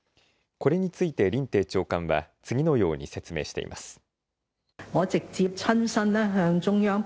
これについて林鄭長官は次のように説明しています。